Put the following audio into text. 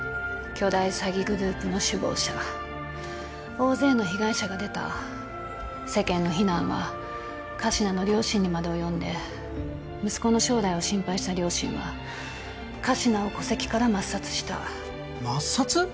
巨大詐欺グループの首謀者大勢の被害者が出た世間の非難は神志名の両親にまで及んで息子の将来を心配した両親は神志名を戸籍から抹殺した抹殺？